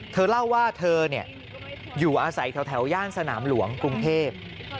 เธอเล่าว่าเธออยู่อาศัยแถวย่านสนามหลวงกรุงเทพ